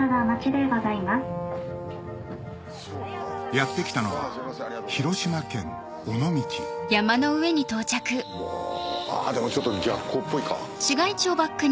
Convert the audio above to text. やって来たのは広島県尾道あでもちょっと逆光っぽいか。